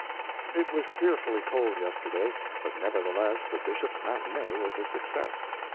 It was fearfully cold yesterday, but nevertheless the Bishop's matinee was a success.